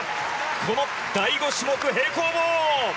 この第５種目平行棒。